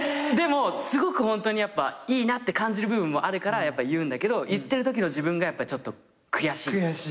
でもすごくホントにいいなって感じる部分もあるから言うんだけど言ってるときの自分がやっぱちょっと悔しい。